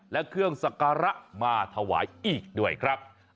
และเครื่องสักการะมาถวายอีกด้วยครับ